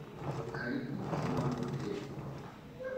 Karikumutima Nohel